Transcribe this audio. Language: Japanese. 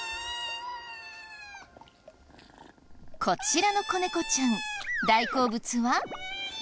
こちらの子猫ちゃん大好物は。